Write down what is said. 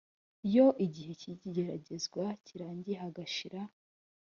iyo igihe cy igeragezwa kirangiye hagashira